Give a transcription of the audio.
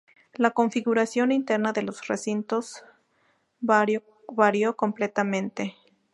La configuración interna de los recintos varió completamente.